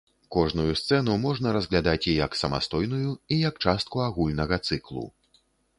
Кожную сцэну можна разглядаць і як самастойную, і як частку агульнага цыклу.